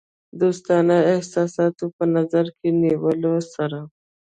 دوستانه احساساتو په نظر کې نیولو سره.